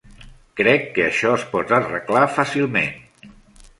Crec que això es pot arreglar fàcilment.